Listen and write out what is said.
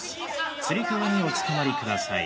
つり革におつかまりください。